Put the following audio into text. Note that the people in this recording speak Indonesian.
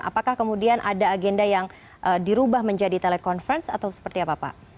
apakah kemudian ada agenda yang dirubah menjadi telekonferensi atau seperti apa pak